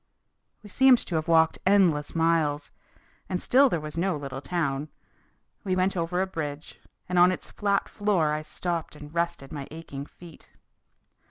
We seemed to have walked endless miles, and still there was no little town. We went over a bridge, and on its flat floor I stopped and rested my aching feet.